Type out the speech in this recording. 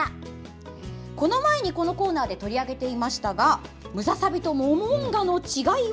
この前にこのコーナーで取り上げていましたがムササビとモモンガの違いは？